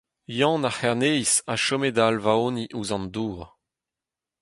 Yann ar C’herneis a chome da alvaoniñ ouzh an dour.